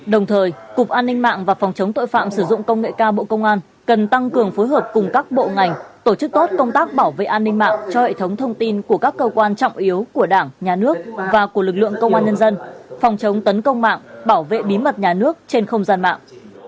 đồng thời cục an ninh mạng và phòng chống tội phạm sử dụng công nghệ cao bộ công an cần tăng cường phối hợp cùng các bộ ngành tổ chức tốt công tác bảo vệ an ninh mạng cho hệ thống thông tin của các cơ quan trọng yếu của đảng nhà nước và của lực lượng công an nhân dân phòng chống tấn công mạng bảo vệ bí mật nhà nước trên không gian mạng